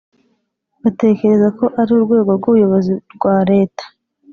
batekereza ko ari urwego rw’ubuyobozi rwa Leta